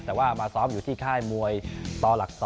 แต่ว่ามาซ้อมอยู่ที่ค่ายมวยต่อหลัก๒